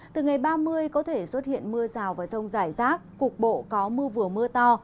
từ ngày ba mươi có thể xuất hiện mưa rào và rông rải rác cục bộ có mưa vừa mưa to